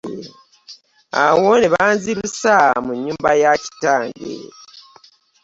Awo ne banzirusa mu nnyumba ya kitange.